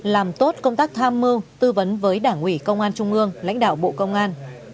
làm tốt công tác tham mưu tư vấn với đảng ủy công an trung ương lãnh đạo bộ công an